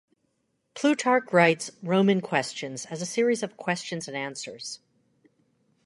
Plutarch writes "Roman Questions" as a series of questions and answers.